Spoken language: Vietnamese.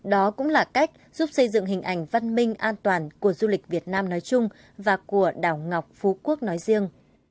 đó cũng là cách giúp xây dựng hình ảnh văn minh an toàn của du lịch việt nam nói chung và của đảo ngọc phú quốc nói riêng